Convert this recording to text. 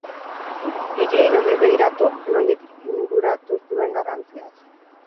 Hiriei nondik begiratuk, nondik inguratuk duen garrantziaz.